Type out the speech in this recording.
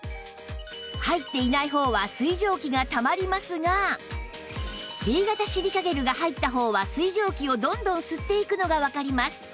入っていない方は水蒸気がたまりますが Ｂ 型シリカゲルが入った方は水蒸気をどんどん吸っていくのがわかります